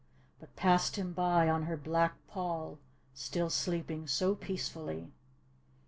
But passed him by on her black pall, Still sleeping so peacefully.